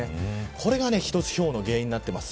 これが一つひょうの原因になっています。